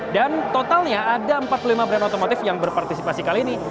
dan totalnya ada empat puluh lima brand otomotif yang berpartisipasi kali ini